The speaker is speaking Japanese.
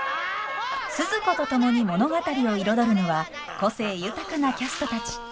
スズ子と共に物語を彩るのは個性豊かなキャストたち。